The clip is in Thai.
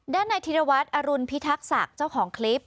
ด้านในธิรวัตรอรุณพิทักษะเจ้าของคลิป